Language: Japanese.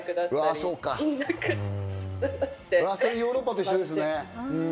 それヨーロッパと一緒ですね。